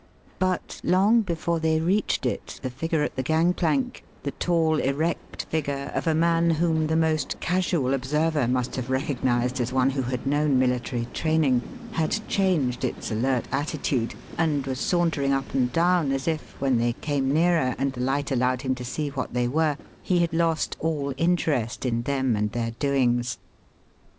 But long before they reached it the figure at the gangplank the tall, erect figure of a man whom the most casual observer must have recognized as one who had known military training had changed its alert attitude and was sauntering up and down as if, when they came nearer and the light allowed him to see what they were, he had lost all interest in them and their doings.